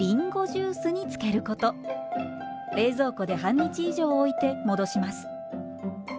冷蔵庫で半日以上置いて戻します。